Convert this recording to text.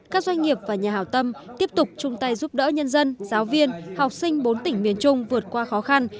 các doanh nghiệp và nhà hảo tâm tiếp tục chung tay giúp đỡ nhân dân giáo viên học sinh bốn tỉnh miền trung vượt qua khó khăn